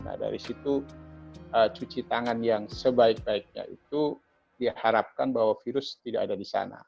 nah dari situ cuci tangan yang sebaik baiknya itu diharapkan bahwa virus tidak ada di sana